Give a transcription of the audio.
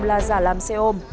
là giả làm xe ôm